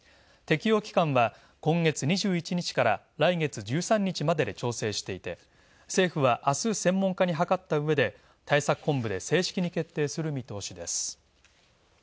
適用期間は今月２１日から来月１３日までで調整していて政府は明日、専門家に諮った上で対策本部で正式に決定する見通しです。